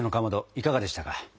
いかがでしたか？